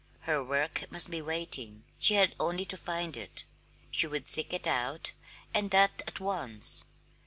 Her work must be waiting; she had only to find it. She would seek it out and that at once.